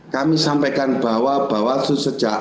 kami sampaikan bahwa bahwa sejauh ini